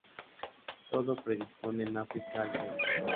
Todo predispone en África al teatro.